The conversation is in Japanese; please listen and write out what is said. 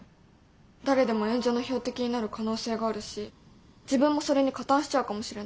誰でも炎上の標的になる可能性があるし自分もそれに加担しちゃうかもしれない。